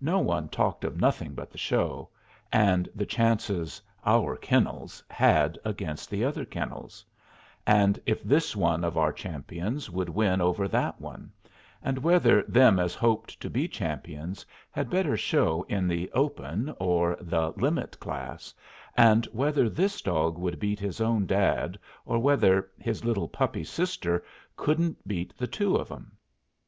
No one talked of nothing but the Show, and the chances "our kennels" had against the other kennels, and if this one of our champions would win over that one, and whether them as hoped to be champions had better show in the "open" or the "limit" class, and whether this dog would beat his own dad, or whether his little puppy sister couldn't beat the two of 'em.